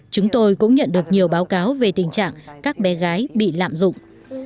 chúng tôi cũng nhận được nhiều báo cáo về tình trạng các bé gái bị lạm dụng